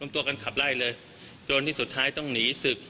ตัวกันขับไล่เลยจนที่สุดท้ายต้องหนีศึก